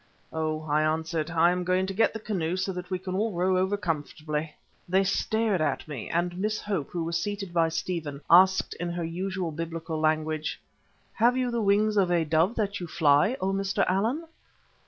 "Oh!" I answered, "I am going to get the canoe so that we can all row over comfortably." They stared at me, and Miss Hope, who was seated by Stephen, asked in her usual Biblical language: "Have you the wings of a dove that you can fly, O Mr. Allan?"